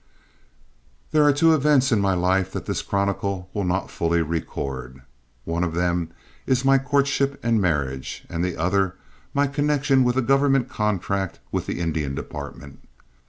There are two events in my life that this chronicle will not fully record. One of them is my courtship and marriage, and the other my connection with a government contract with the Indian department.